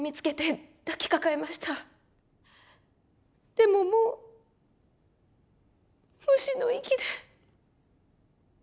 でももう虫の息で。